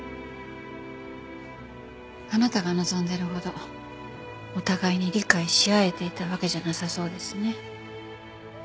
あなたが望んでいるほどお互いに理解し合えていたわけじゃなさそうですね。